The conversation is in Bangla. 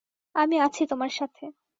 আমি আছি তোমার সাথে।